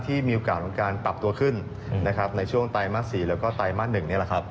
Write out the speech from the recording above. ที่มีโอกาสของการปรับตัวขึ้นในช่วงไตรมาสสี่แล้วก็ไตรมาสหนึ่งนี่แหละครับ